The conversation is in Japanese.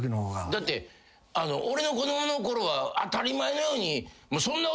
だって俺の子供のころは当たり前のように。